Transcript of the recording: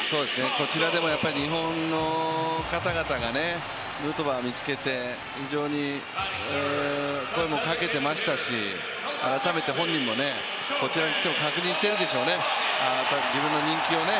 こちらでも日本の方々がヌートバーを見つけて、非常に声もかけてましたし改めて本人もこちらに来て確認してるでしょうね、自分の人気をね。